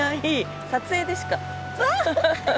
撮影でしか。